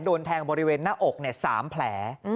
โดนแทงบริเวณหน้าอก๓แผล